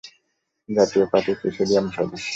জাতীয় পার্টির প্রেসিডিয়াম সদস্য।